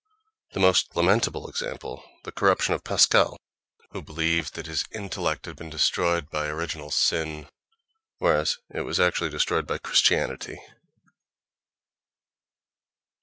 The most lamentable example: the corruption of Pascal, who believed that his intellect had been destroyed by original sin, whereas it was actually destroyed by Christianity!